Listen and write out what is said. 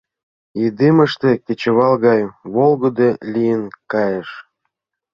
Идымыште кечывал гай волгыдо лийын кайыш.